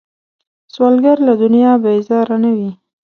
سوالګر له دنیا بیزاره نه وي